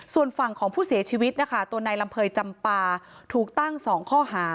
ส่วนฝั่งของผู้เสียชีวิตนะคะตัวนายลำเภยจำปาถูกตั้ง๒ข้อหา